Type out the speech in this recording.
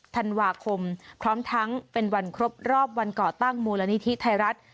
ธันวาคมพร้อมทั้งเป็นวันครบรอบวันก่อตั้งมูลนิธิไทยรัฐ